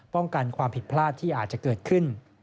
ความผิดพลาดที่อาจจะเกิดขึ้น